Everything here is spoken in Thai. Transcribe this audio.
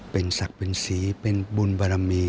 เป็นศักดิ์เป็นศรีเป็นบุญบารมี